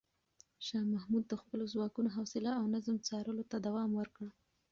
شاه محمود د خپلو ځواکونو حوصله او نظم څارلو ته دوام ورکړ.